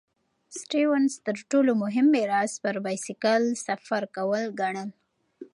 سټيونز تر ټولو مهم میراث پر بایسکل سفر کول ګڼل.